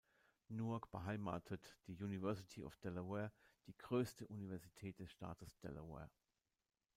Newark beheimatet die University of Delaware, die größte Universität des Staates Delaware.